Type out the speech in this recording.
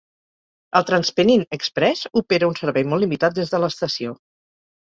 El TransPennine Express opera un servei molt limitat des de l'estació.